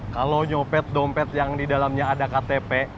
kalau nyopet dompet yang di dalamnya ada ktp